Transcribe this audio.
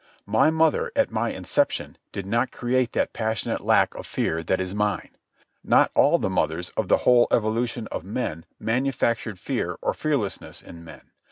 My mother, at my inception, did not create that passionate lack of fear that is mine. Not all the mothers of the whole evolution of men manufactured fear or fearlessness in men.